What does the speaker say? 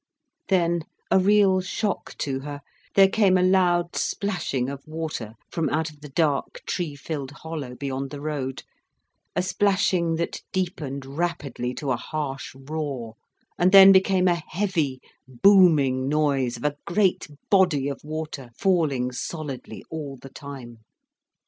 Then, a real shock to her, there came a loud splashing of water from out of the dark, tree filled hollow beyond the road, a splashing that deepened rapidly to a harsh roar, and then became a heavy, booming noise of a great body of water falling solidly all the time.